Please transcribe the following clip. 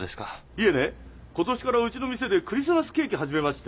いえね今年からうちの店でクリスマスケーキ始めまして。